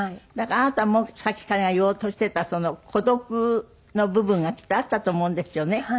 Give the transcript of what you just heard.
だからあなたもさっきから言おうとしてた孤独の部分がきっとあったと思うんですよね。